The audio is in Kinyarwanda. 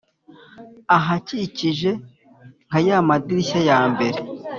ahakikije nka ya madirishya ya mbere